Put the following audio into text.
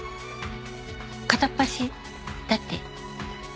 片っ端だって。